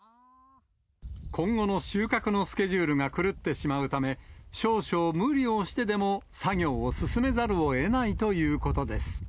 今後の収穫のスケジュールが狂ってしまうため、少々無理をしてでも、作業を進めざるをえないということです。